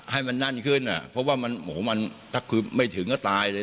ให้มันนั่นขึ้นเพราะว่ามันถ้าไม่ถึงก็ตายเลย